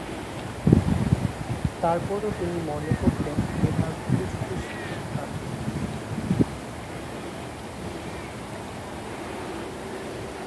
তারপরও তিনি মনে করতেন, মেধার উপযুক্ত স্বীকৃতি পাননি।